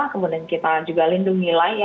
kemudian kita juga lindungi lah ya